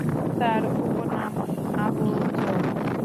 তাঁর উপনাম আবু যর।